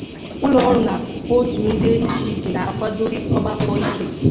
ụlọọrụ na òtù dị iche iche ga-akwàdosi ọba akwụkwọ ike